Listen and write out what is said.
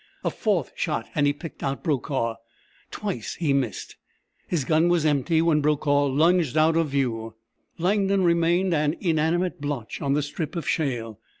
A fourth shot, and he picked out Brokaw. Twice he missed! His gun was empty when Brokaw lunged out of view. Langdon remained an inanimate blotch on the strip of shale.